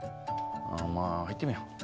まあ入ってみよう。